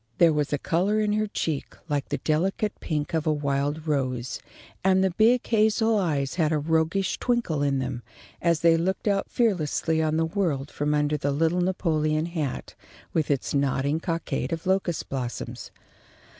There was a colour in her cheek like the delicate pink of a wild rose, and the big hazel eyes had a roguish twinkle in them, as they looked out fearlessly on the world from under the little Napoleon hat with its nodding cockade of locust blossoms.